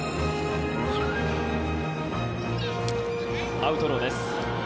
アウトローです。